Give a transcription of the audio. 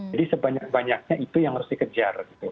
jadi sebanyak banyaknya itu yang harus dikejar gitu